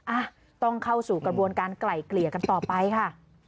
อ่ะต้องเข้าสู่กระบวนการไกล่เกลี่ยกันต่อไปค่ะ